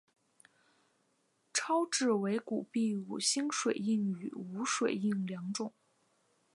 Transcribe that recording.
钞纸为古币五星水印与无水印两种。